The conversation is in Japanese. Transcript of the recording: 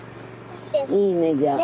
いいねじゃあ。